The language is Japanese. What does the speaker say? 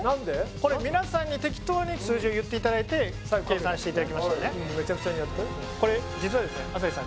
これ皆さんに適当に数字を言っていただいて計算していただきましたよねこれ実はですね朝日さん